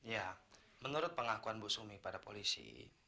ya menurut pengakuan bu sumi pada polisi